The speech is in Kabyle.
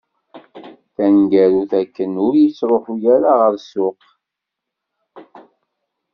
Taneggarut akken ur yettruḥu ara ɣer ssuq.